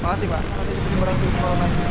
apa nanti di penyembaran ke sekolah nanti